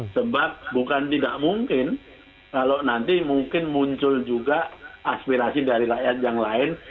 sebab bukan tidak mungkin kalau nanti mungkin muncul juga aspirasi dari rakyat yang lain